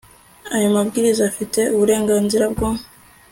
ayo mabwiriza afite uburenganzira bwo